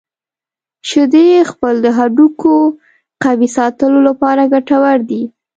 شیدې څښل د هډوکو قوي ساتلو لپاره ګټور دي.